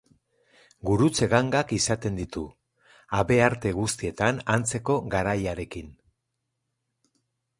Gurutze gangak izaten ditu, habearte guztietan antzeko garaiarekin.